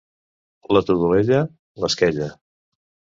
La Todolella, l'esquella.